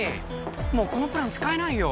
もうこのプラン使えないよ